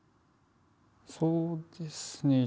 そうですね。